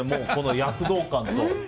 躍動感と。